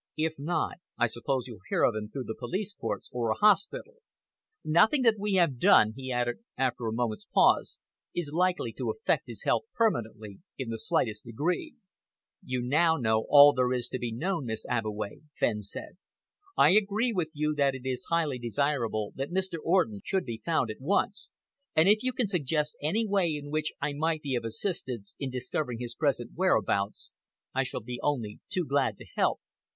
If not, I suppose you'll hear of him through the police courts or a hospital. Nothing that we have done," he added, after a moment's pause, "is likely to affect his health permanently in the slightest degree." "You now know all that there is to be known, Miss Abbeway," Fenn said. "I agree with you that it is highly desirable that Mr. Orden should be found at once, and if you can suggest any way in which I might be of assistance in discovering his present whereabouts, I shall be only too glad to help.